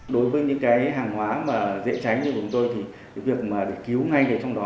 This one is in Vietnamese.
đối với những cái hàng hóa mà dễ cháy như chúng tôi thì việc mà cứu ngay cái trong đó